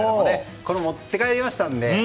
これ持って帰れましたんで。